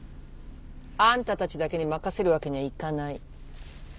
あんたたちだけに任せるわけにはいかない。